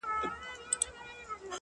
• نور به نو ملنګ جهاني څه درکړي ,